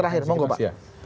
terakhir mohon pak